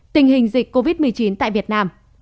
tình hình dịch covid một mươi chín tại việt nam